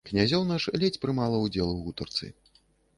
Князёўна ж ледзь прымала ўдзел у гутарцы.